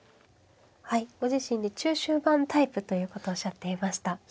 ご自身で中終盤タイプということをおっしゃっていました。